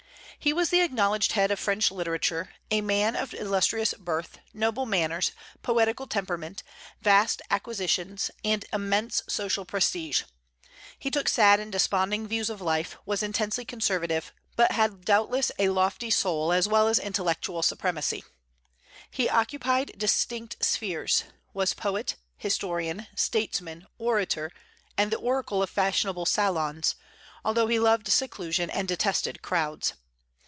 He was the acknowledged head of French literature, a man of illustrious birth, noble manners, poetical temperament, vast acquisitions, and immense social prestige. He took sad and desponding views of life, was intensely conservative, but had doubtless a lofty soul as well as intellectual supremacy. He occupied distinct spheres, was poet, historian, statesman, orator, and the oracle of fashionable salons, although he loved seclusion, and detested crowds.